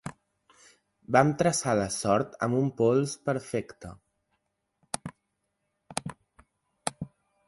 Vam traçar la sort amb un pols perfecte.